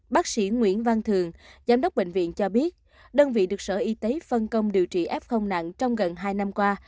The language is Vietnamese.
bác sĩ nguyễn văn thường giám đốc bệnh viện cho biết đơn vị được sở y tế phân công điều trị f nặng trong gần hai năm qua